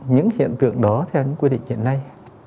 những hiện tượng đó theo những quy định hiện nay